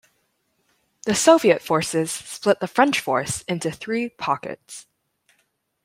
The Soviet forces split the French force into three pockets.